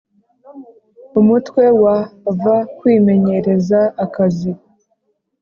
Umutwe wa v kwimenyereza akazi